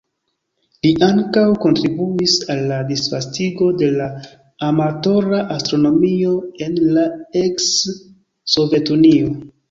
Li ankaŭ kontribuis al la disvastigo de la amatora astronomio en la eks-Sovetunio.